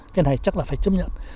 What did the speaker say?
cái này chắc là phải chấp nhận